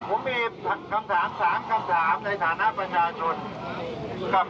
ผมมีคำถาม๓คำถามในฐานะประชาชนครับ